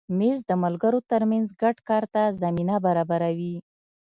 مېز د ملګرو تر منځ ګډ کار ته زمینه برابروي.